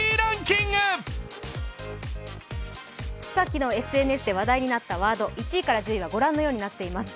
昨日ＳＮＳで話題になったワード、１位から１０位はご覧のとおりとなっています。